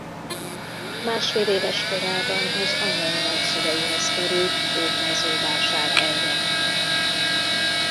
Másfél éves korában az anyai nagyszüleihez került Hódmezővásárhelyre.